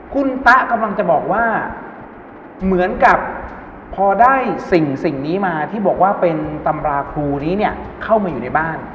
คุณตะกำลังจะบอกว่าเหมือนกับพอได้สิ่งนี้มาที่บอกว่าเป็นตำราครูนี้เนี่ยเข้ามาอยู่ในบ้าน